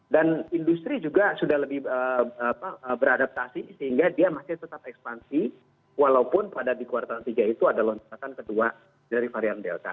dan industri juga sudah lebih beradaptasi sehingga dia masih tetap ekspansi walaupun pada di kuartal tiga itu ada lonjakan kedua dari varian delta